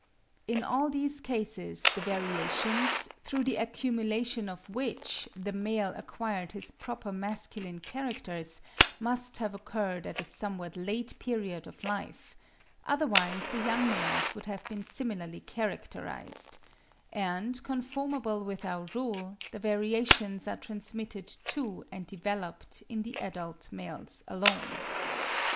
In all these cases the variations, through the accumulation of which the male acquired his proper masculine characters, must have occurred at a somewhat late period of life; otherwise the young males would have been similarly characterised; and conformably with our rule, the variations are transmitted to and developed in the adult males alone.